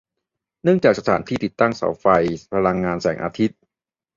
เนื่องจากสถานที่ติดตั้งเสาไฟพลังงานแสงอาทิตย์